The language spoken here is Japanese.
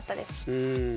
うん。